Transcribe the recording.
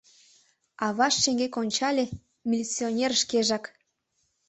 Аваж шеҥгек ончале — милиционер шкежак.